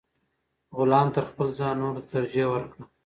غلام تر خپل ځان نورو ته ترجیح ورکړه.